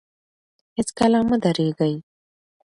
هېڅکله مه درېږئ.